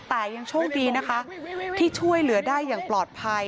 แต่ยังโชคดีนะคะที่ช่วยเหลือได้อย่างปลอดภัย